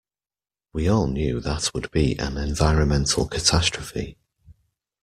We all knew that would be an environmental catastrophe.